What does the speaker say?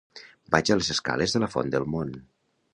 Vaig a les escales de la Font del Mont.